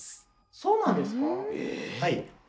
そうなんですか？